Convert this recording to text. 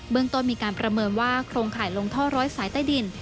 เบื้องต้นมีการประเมินว่าโครงข่ายลงท่อ๑๐๐สายใต้ดิน